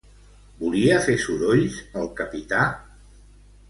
Volia fer sorolls el capità?